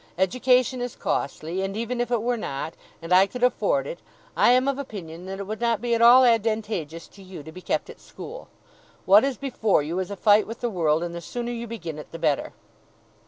Education is costly; and even if it were not, and I could afford it, I am of opinion that it would not be at all advantageous to you to be kept at school. What is before you, is a fight with the world; and the sooner you begin it, the better.